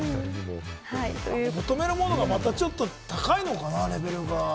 求めるものがちょっと高いのかな、レベルが。